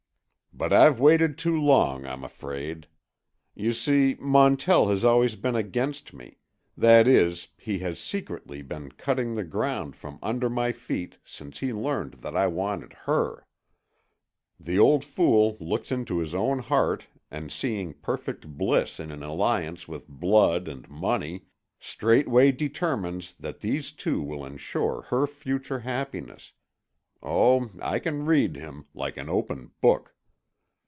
"But I've waited too long, I'm afraid. You see, Montell has always been against me; that is, he has secretly been cutting the ground from under my feet since he learned that I wanted her. The old fool looks into his own heart and seeing perfect bliss in an alliance with 'blood' and 'money,' straightway determines that these two will insure her future happiness—oh, I can read him, like an open book.